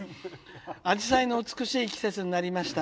あじさいの美しい季節になりました。